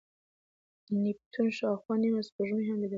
د نیپتون شاوخوا نیمه سپوږمۍ هم لیدل شوې.